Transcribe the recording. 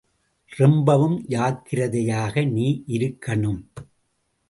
ரொம்பவும் ஜாக்கிரதையாக நீ இருக்கணும்.